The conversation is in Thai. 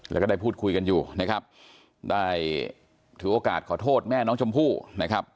แล้วก็ได้พูดคุยกันอยู่นะครับได้ถือโอกาสขอโทษแม่น้องชมพู่นะครับ